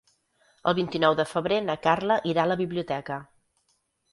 El vint-i-nou de febrer na Carla irà a la biblioteca.